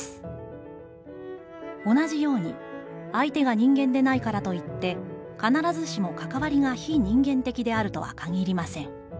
「同じように、相手が人間でないからといって、必ずしもかかわりが非人間的であるとは限りません」。